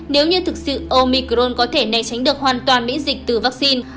nếu như thực sự omicron có thể này tránh được hoàn toàn miễn dịch từ vaccine